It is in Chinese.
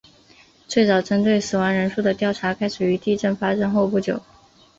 最早针对死亡人数的调查开始于地震发生后不久。